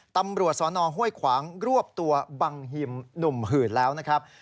ตำรวจสนห้วยขวางรวบตัวบังฮิมหนุ่มหื่นแล้วนะครับ